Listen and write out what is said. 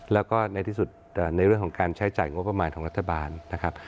แล้วก็ในที่สุดในเรื่องของการใช้จ่ายงบประมาณของรัฐบาลนะครับ